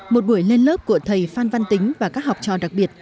một buổi lên lớp của thầy phan văn tính và các học trò đặc biệt